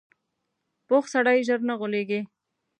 پوخ سړی ژر نه غولېږي